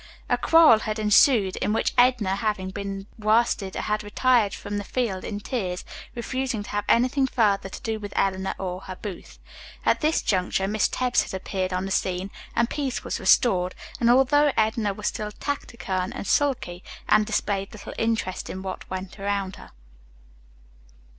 A quarrel had ensued, in which Edna, having been worsted, had retired from the field in tears, refusing to have anything further to do with Eleanor or her booth. At this juncture Miss Tebbs had appeared on the scene, and peace was restored, although Edna was still taciturn and sulky, and displayed little interest in what went on around her.